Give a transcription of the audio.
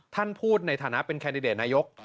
ท่านพูดในฐานะเป็นแคนดิเดตนายก